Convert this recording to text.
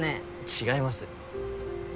違います。